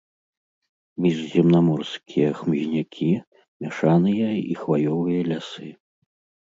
Міжземнаморскія хмызнякі, мяшаныя і хваёвыя лясы.